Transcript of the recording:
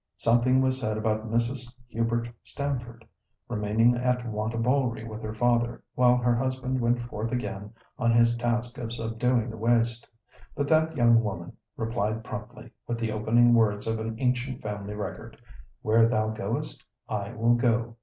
Something was said about Mrs. Hubert Stamford remaining at Wantabalree with her father while her husband went forth again on his task of subduing the waste. But that young woman replied promptly, with the opening words of an ancient family record, "Where thou goest, I will go."